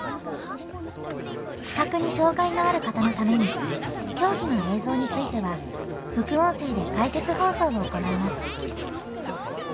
視覚に障がいのある方のために競技の映像については副音声で解説放送を行います。